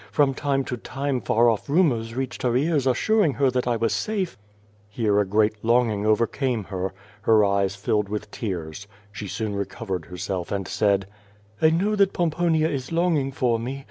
From time to time far off rumors reached her ears assuring her that I was safe —" Here a great longing overcame her. Her eyes filled with tears. She soon recovered herself, and said, "I know that Pomponia is longing for me.